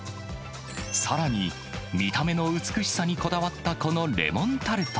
さらに、見た目の美しさにこだわったこのレモンタルト。